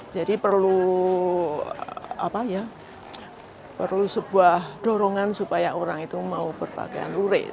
jadi perlu apa ya perlu sebuah dorongan supaya orang itu mau berpakaian lurik